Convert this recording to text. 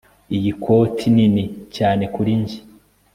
Iyi koti nini cyane kuri njye